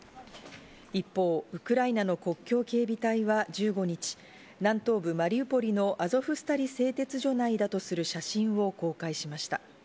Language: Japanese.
一方、ウクライナの国境警備隊は１５日、南東部マリウポリのアゾフスタリ製鉄所内だとする写真を公開しました。